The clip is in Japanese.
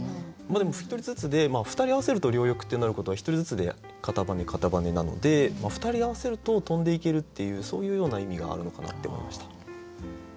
でも１人ずつでふたり合わせると両翼ってなることは１人ずつで片羽片羽なのでふたり合わせると飛んでいけるっていうそういうような意味があるのかなって思いました。